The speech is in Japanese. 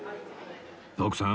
徳さん